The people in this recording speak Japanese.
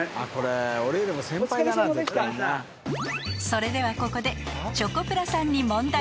［それではここで］